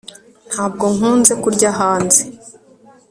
ntabwo nkunze kurya hanze